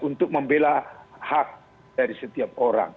untuk membela hak dari setiap orang